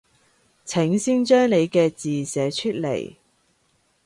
請先將你嘅字寫出來